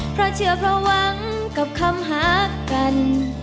เพราะเชื่อเพราะหวังกับคำหากัน